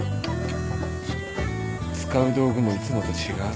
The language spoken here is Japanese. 使う道具もいつもと違う。